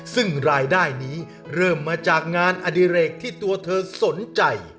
ซึ่งรายได้นี้เริ่มมาจากงานอดิเรกที่ตัวเธอสนใจ